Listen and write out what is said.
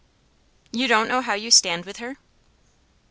"You don't know how you stand with her?"